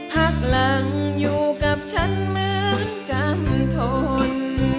พักหลังอยู่กับฉันเหมือนจำทน